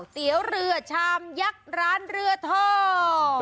๐๙๖๘๐๑๗๓๙๙เตี๋ยวเรือชามยักษ์ร้านเรือโทม